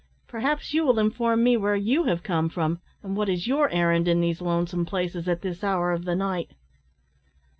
"Perhaps you will inform me where you have come from, and what is your errand in these lonesome places at this hour of the night?"